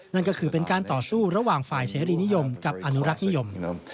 นั่นก็คือเป็นการต่อสู้ระหว่างฝ่ายเสรีนิยมกับอนุรักษ์นิยม